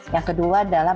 yang kedua adalah